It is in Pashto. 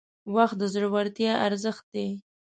• وخت د زړورتیا ارزښت دی.